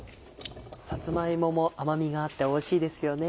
さつま芋も甘みがあっておいしいですよね。